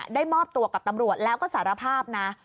มอบตัวกับตำรวจแล้วก็สารภาพนะ